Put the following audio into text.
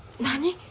何？